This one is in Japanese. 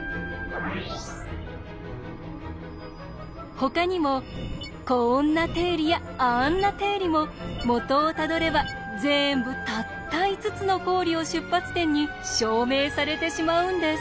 ほかにもこんな定理やあんな定理も元をたどれば全部たった５つの公理を出発点に証明されてしまうんです。